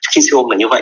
khi siêu âm là như vậy